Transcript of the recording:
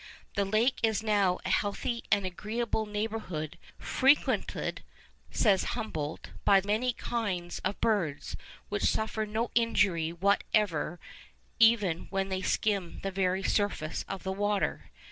The lake is now a healthy and agreeable neighbourhood, frequented, says Humboldt, by many kinds of birds, which suffer no injury whatever even when they skim the very surface of the water.